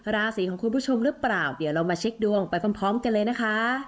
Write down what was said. ราศีของคุณผู้ชมหรือเปล่าเดี๋ยวเรามาเช็คดวงไปพร้อมกันเลยนะคะ